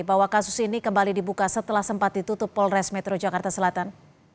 bahwa kasus ini kembali dibuka setelah sempat ditutup polres metro jakarta selatan